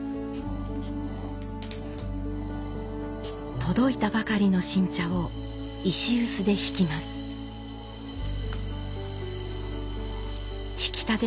届いたばかりの新茶を石臼でひきます。